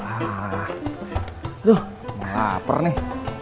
aduh lapar nih